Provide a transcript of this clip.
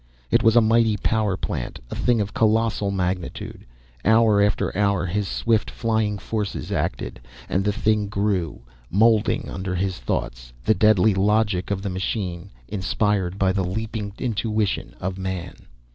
It was a mighty power plant, a thing of colossal magnitude. Hour after hour his swift flying forces acted, and the thing grew, moulding under his thoughts, the deadly logic of the machine, inspired by the leaping intuition of man.